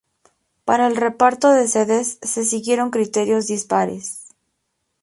Para el reparto de sedes, se siguieron criterios dispares.